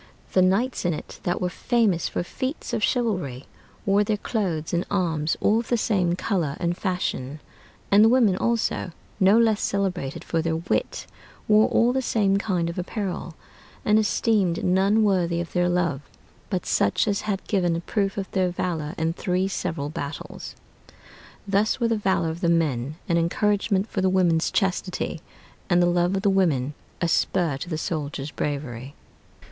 The knights in it that were famous for feats of chivalry wore their clothes and arms all of the same color and fashion: and the women also, no less celebrated for their wit, wore all the same kind of apparel; and esteemed none worthy of their love but such as had given a proof of their valor in three several battles. Thus was the valor of the men an encouragement for the women's chastity, and the love of the women a spur to the soldiers' bravery.